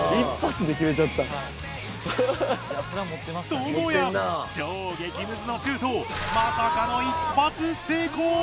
ともやん超激ムズのシュートをまさかの一発成功！